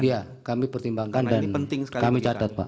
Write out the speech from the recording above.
iya kami pertimbangkan dan kami catat pak